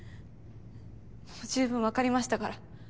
もう十分わかりましたから。